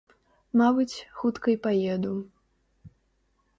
Мабыць, хутка й паеду.